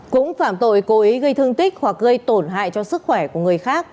cũng phạm tội cố ý gây thương tích hoặc gây tổn hại cho sức khỏe của người khác